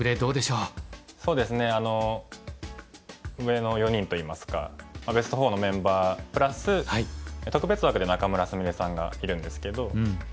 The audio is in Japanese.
そうですね上の４人といいますかベスト４のメンバープラス特別枠で仲邑菫さんがいるんですけど。